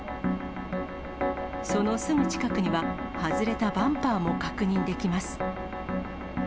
そのすぐ近くには、外れたバンパーも確認できます。